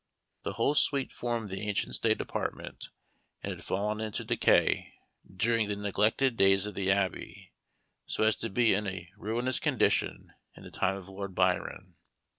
The whole suite formed the ancient state apartment, and had fallen into decay during the neglected days of the Abbey, so as to be in a ruinous condition in the time of Lord Byron.